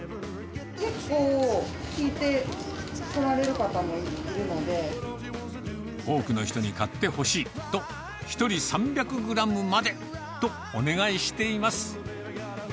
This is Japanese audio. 結構聞いてこられる方もいる多くの人に買ってほしいと、１人３００グラムまでとお願いしています。